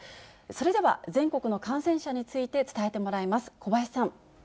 それでは、全国の感染者について伝えてもらいます。